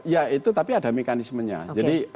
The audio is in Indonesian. ya itu tapi ada mekanismenya jadi